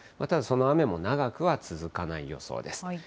ただ、その雨も長くは続かない予想です。